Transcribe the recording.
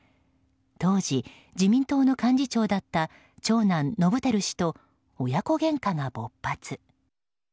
当時、自民党の幹事長だった長男・伸晃氏と親子げんかが勃発。